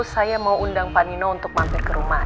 saya mau undang panino untuk mampir ke rumah